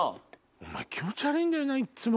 お前気持ち悪いんだよないつも。